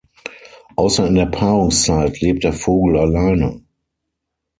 Außer in der Paarungszeit lebt der Vogel alleine.